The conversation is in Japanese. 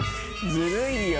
ずるいよ。